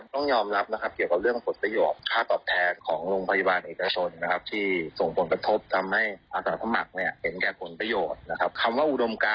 ทำให้เกิดปัญหาเรื่องพวกนี้ขึ้นมา